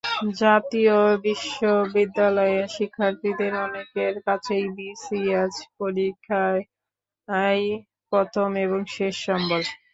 জাতীয় বিশ্ববিদ্যালয়ের শিক্ষার্থীদের অনেকের কাছেই বিসিএস পরীক্ষাই প্রথম এবং শেষ সম্বল।